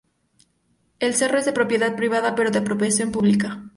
El cerro es de propiedad privada, pero de apropiación pública.